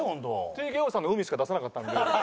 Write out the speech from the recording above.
ＴＫＯさんの膿しか出さなかったんで。